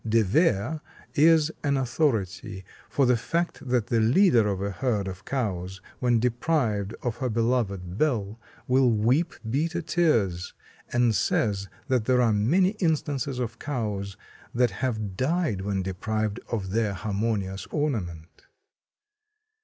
De Vere is an authority for the fact that the leader of a herd of cows when deprived of her beloved bell will weep bitter tears, and says that there are many instances of cows that have died when deprived of their harmonious ornament.